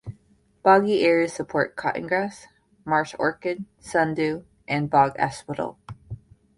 Boggy areas support cotton grass, marsh orchid, sundew and bog asphodel.